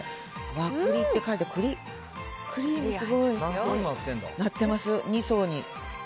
和栗って書いてあって、クリームすごい。なってます、２層に。